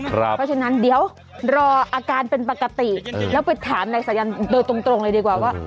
เพราะฉะนั้นเดี๋ยวรออาการเป็นปกติแล้วไปถามนายสายันโดยตรงเลยดีกว่าว่า